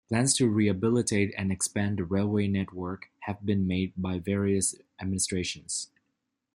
Plans to rehabilitate and expand the railway network have been made by various administrations.